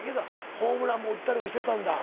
ホームランも打ったりもしてたんだ。